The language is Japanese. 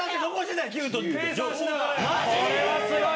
これはすごい。